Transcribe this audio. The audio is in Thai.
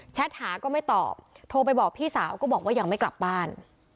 หาก็ไม่ตอบโทรไปบอกพี่สาวก็บอกว่ายังไม่กลับบ้าน